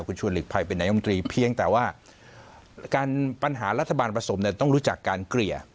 กุญชัวร์หลีกภัยแต่ว่าปัญหารัฐบาลผสมต้องรู้จักการเกลี่ย